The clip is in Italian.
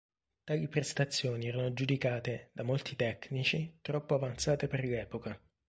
Tali prestazioni erano giudicate, da molti tecnici, troppo avanzate per l'epoca.